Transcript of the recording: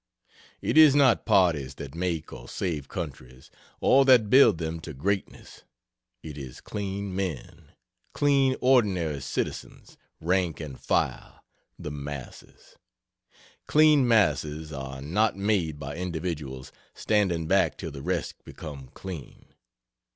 It is not parties that make or save countries or that build them to greatness it is clean men, clean ordinary citizens, rank and file, the masses. Clean masses are not made by individuals standing back till the rest become clean.